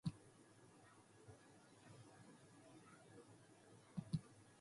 For whatever reason, I was a natural at it.